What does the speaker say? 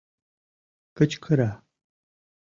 Кычкыра